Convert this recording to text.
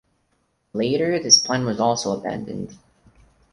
Later this plan was also abandoned.